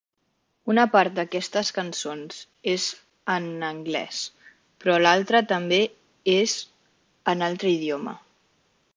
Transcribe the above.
Una part d'aquestes cançons és en anglès, però una altra també és en altre idioma.